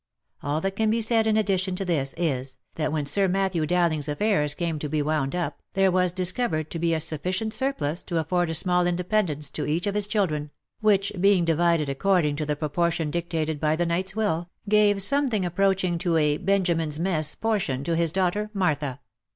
All that can be said in addition to this is, that when Sir Matthew Dowling's affairs came to be wound up, there was discovered to be a sufficient surplus to afford a small independence to each of his children, which, being divided according to the proportion dictated by the knight's will, gave something approaching to a Benjamin's mess por tion to his daughter Martha.